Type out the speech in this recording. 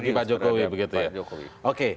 bagi pak jokowi begitu ya